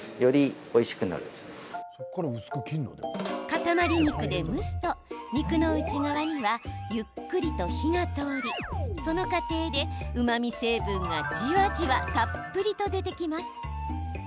かたまり肉で蒸すと肉の内側にはゆっくりと火が通りその過程で、うまみ成分がじわじわ、たっぷりと出てきます。